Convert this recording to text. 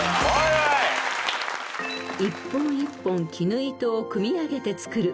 ［一本一本絹糸を組み上げて作る］